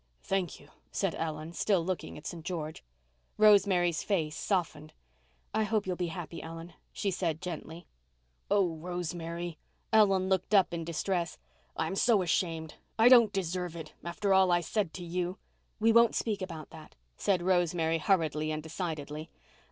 "Thank you," said Ellen, still looking at St. George. Rosemary's face softened. "I hope you'll be happy, Ellen," she said gently. "Oh, Rosemary," Ellen looked up in distress, "I'm so ashamed—I don't deserve it—after all I said to you—" "We won't speak about that," said Rosemary hurriedly and decidedly.